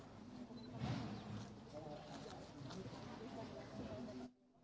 apakah anda merasa sedikit sedikit kecewa